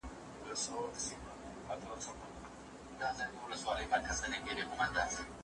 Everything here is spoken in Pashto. په لویه جرګه کي د مدني ټولنو استازی څوک دی؟